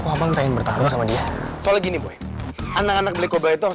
ya ampun ray sampai segitunya loh